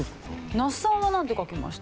那須さんはなんて書きました？